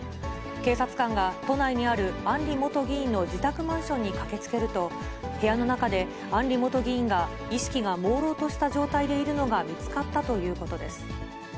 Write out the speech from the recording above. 警察官が都内にある案里元議員の自宅マンションに駆けつけると、部屋の中で案里元議員が意識がもうろうとした状態でいるのが見つかったということです。